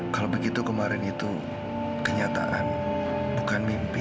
kalau begitu kemarin itu kenyataan bukan mimpi